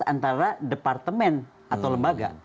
antara departemen atau lembaga